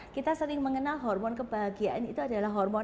kita sering mengenal hormon kebahagiaan itu adalah hormon